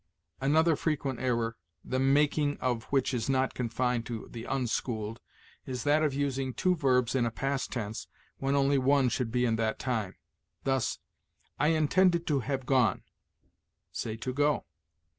Another frequent error, the making of which is not confined to the unschooled, is that of using two verbs in a past tense when only one should be in that time; thus, "I intended to have gone": say, to go.